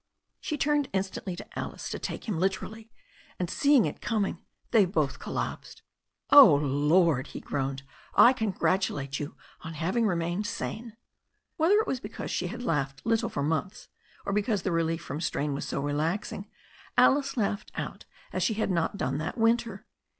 She turned instantly to Alice to take him literally, and seeing it coming they both collapsed. "Oh, Lord !" he groaned. "I congratulate you on having remained sane." Whether it was because she had laughed little for months, or because the relief from strain was so relaxing, Alice laughed out as she had not done that winter.